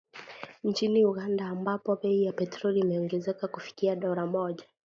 Nchini Uganda, ambapo bei ya petroli imeongezeka kufikia dola moja